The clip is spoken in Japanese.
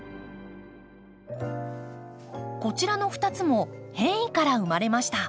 こちらの２つも変異から生まれました。